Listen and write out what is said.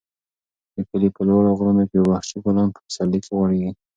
د کلي په لوړو غرونو کې وحشي ګلان په پسرلي کې غوړېږي.